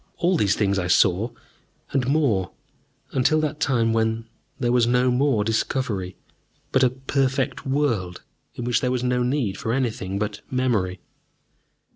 All these things I saw, and more, until that time when there was no more discovery, but a Perfect World in which there was no need for anything but memory.